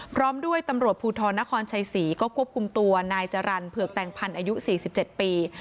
พร้อมด้วยตำรวจภูทรนครชัยศรีก็ควบคุมตัวนายจรรย์เผือกแต่งพันธ์อายุ๔๗ปี